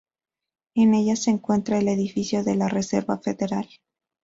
En ella se encuentra el edificio de la Reserva Federal.